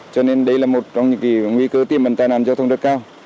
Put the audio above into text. cho nên đây là một trong những nguy cơ tìm ẩn tài nạn giao thông rất cao